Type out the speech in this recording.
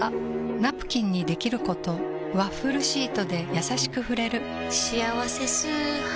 ナプキンにできることワッフルシートでやさしく触れる「しあわせ素肌」